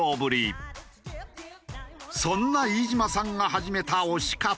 そんな飯島さんが始めた推し活。